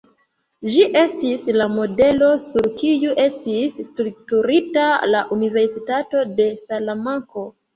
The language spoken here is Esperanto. Ĝi estis la modelo sur kiu estis strukturita la Universitato de Salamanko.